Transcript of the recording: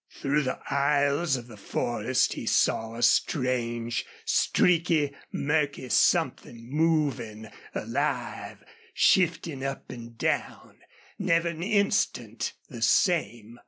Through the aisles of the forest he saw a strange, streaky, murky something moving, alive, shifting up and down, never an instant the same.